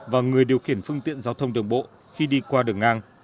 và người điều khiển phương tiện giao thông đường bộ khi đi qua đường ngang